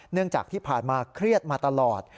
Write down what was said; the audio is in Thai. เนื่องจากที่ผ่านมาเครียดมาตลอด